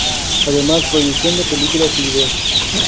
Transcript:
Además, proyección de películas y videos.